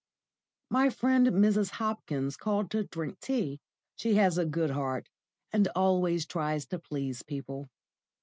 My friend Mrs. Hopkins called to drink tea. She has a good heart and always tries to please people.